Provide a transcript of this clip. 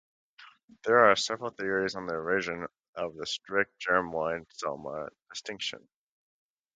There are several theories on the origin of the strict germline-soma distinction.